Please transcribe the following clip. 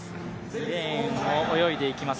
２レーンを泳いでいきます